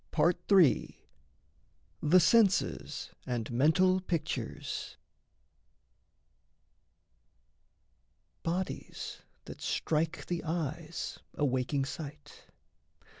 THE SENSES AND MENTAL PICTURES Bodies that strike the eyes, awaking sight.